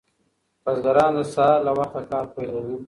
بزګران د سهار له وخته کار پیلوي.